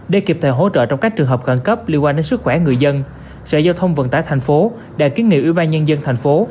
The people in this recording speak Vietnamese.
để kịp thời hỗ trợ trong các trường hợp cẩn cấp liên quan đến sức khỏe người dân sở giao thông vận tải thành phố đã kiến nghiệm ubnd tp